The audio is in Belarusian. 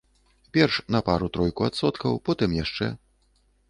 Перш на пару-тройку адсоткаў, потым яшчэ.